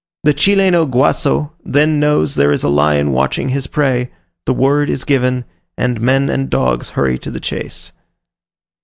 The Chileno Guaso then knows there is a lion watching his prey the word is given and men and dogs hurry to the chase.